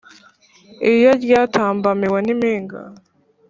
Iyo ryatambamiwe nimpinga